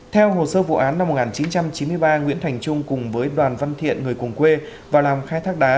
theo hồ sơ vụ án năm một nghìn chín trăm chín mươi ba nguyễn thành trung cùng với đoàn văn thiện người cùng quê vào làm khai thác đá